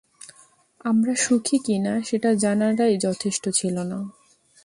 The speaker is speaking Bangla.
আমরা সুখী কিনা সেটা জানাটাই যথেষ্ট ছিল না!